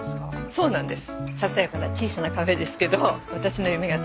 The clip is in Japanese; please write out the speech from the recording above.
そうなんです。